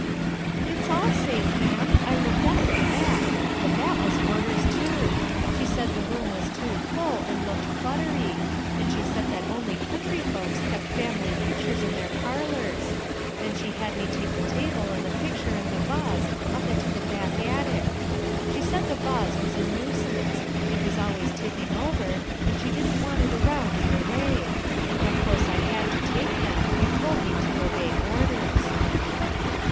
"It's all safe, ma'am; I looked out for that; but that was orders, too She said the room was too full, and looked eluttery; and she said that only country folks kept family pictures in their parlors And she had me take the table and the ACCIDENT OR DESIGN? 155 picture and the vase up into the back attic. She said the vase was a nuisance; it was always tipping over and she didn't want it around in the way. Of course I had to take them; y ou told me to obey orders."